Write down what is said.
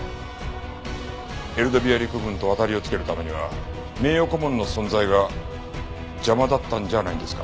エルドビア陸軍と渡りをつけるためには名誉顧問の存在が邪魔だったんじゃないんですか？